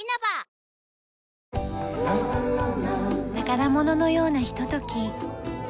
宝物のようなひととき。